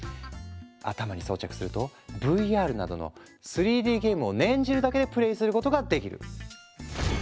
頭に装着するとＶＲなどの３Ｄゲームを念じるだけでプレイすることができる。